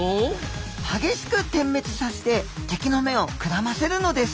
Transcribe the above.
激しく点滅させて敵の目をくらませるのです。